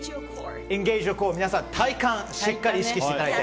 皆さん、体幹をしっかり意識していただいて。